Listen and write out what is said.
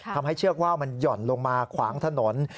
ทำให้เชือกว่ามันหย่อนลงมาขวางถนน